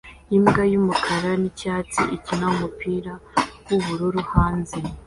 Imbwa yumukara nicyatsi ikina numupira wubururu hanze